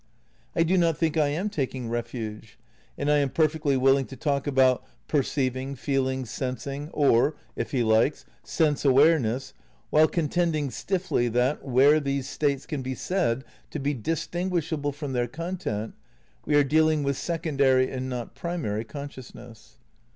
I do not think I am taking refuge, and I am perfectly willing to talk about per ceiving, feeling, sensing, or, if he likes, sense aware ness, while contending stiffly that, where these states can be said to be distinguishable from their content we are dealing with secondary and not primary conscious ness.